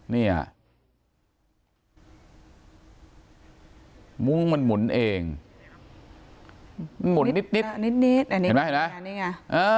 เนี้ยมุ้งมันหมุนเองหมุนนิดนิดนิดนิดอ่านี่ไหมอ่านี่ไงอ่า